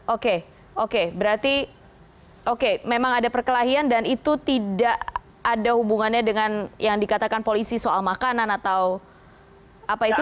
oke oke berarti oke memang ada perkelahian dan itu tidak ada hubungannya dengan yang dikatakan polisi soal makanan atau apa itu